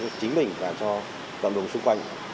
cho chính mình và cho toàn đồng xung quanh